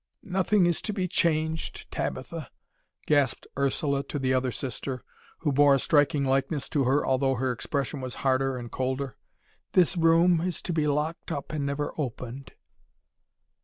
"Nothing is to be changed, Tabitha," gasped Ursula to the other sister, who bore a striking likeness to her although her expression was harder and colder; "this room is to be locked up and never opened."